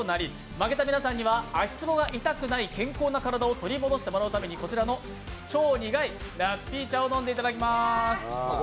負けた皆さんには足ツボが痛くない健康な体になっていただくためにこちらの超苦いラッピー茶を飲んでいただきます。